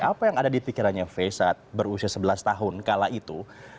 apa yang ada di pikirannya faye saat berusia sebelas tahun kala itu